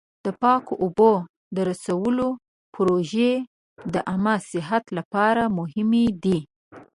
د پاکو اوبو د رسولو پروژې د عامه صحت لپاره مهمې دي.